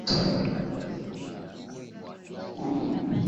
Raha jipe mwenyewe